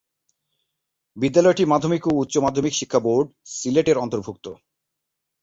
বিদ্যালয়টি মাধ্যমিক ও উচ্চ মাধ্যমিক শিক্ষা বোর্ড, সিলেট এর অন্তর্ভুক্ত।